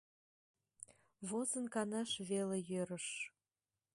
Возын канаш веле йӧрыш.